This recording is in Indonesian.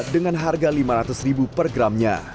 dengan harga lima ratus ribu per gramnya